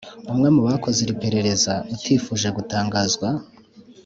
umwe mu bakoze iri perereza utifuje gutangazwa